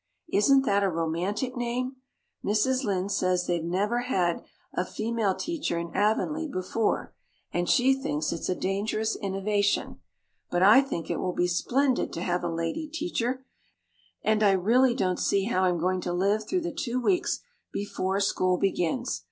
Isn't that a romantic name? Mrs. Lynde says they've never had a female teacher in Avonlea before and she thinks it is a dangerous innovation. But I think it will be splendid to have a lady teacher, and I really don't see how I'm going to live through the two weeks before school begins.